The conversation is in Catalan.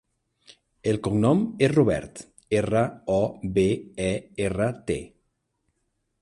El cognom és Robert: erra, o, be, e, erra, te.